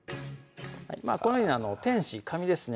このように天紙紙ですね